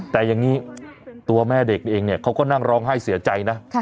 แต่อย่างนี้ตัวแม่เด็กเองเนี่ยเขาก็นั่งร้องไห้เสียใจนะ